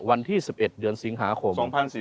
วันที่๑๑เดือนสิงหาคม๒๔๙